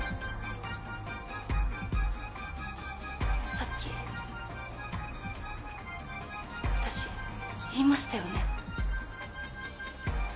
さっき私言いましたよね？